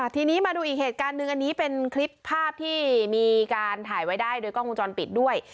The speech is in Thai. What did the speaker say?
ทีนี้มาดูอีกเหตุการณ์หนึ่งอันนี้เป็นคลิปภาพที่มีการถ่ายไว้ได้โดยกล้องวงจรปิดด้วย